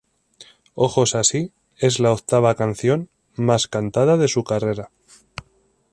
Ojos Así es la octava canción más cantada de su carrera.